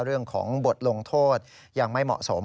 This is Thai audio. เรื่องของบทลงโทษยังไม่เหมาะสม